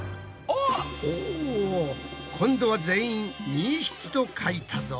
お今度は全員２匹と書いたぞ。